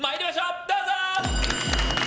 どうぞ！